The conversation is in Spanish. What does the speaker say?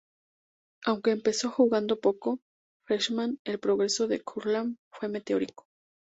Aunque empezó jugando poco como "freshman", el progreso de Kurland fue meteórico.